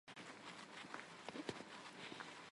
Ինձ արդեն հաջողվել է ծանոթանալ քաղաքի հետ, այն շատ գեղեցիկ է։